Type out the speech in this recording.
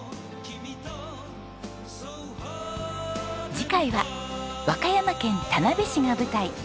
次回は和歌山県田辺市が舞台。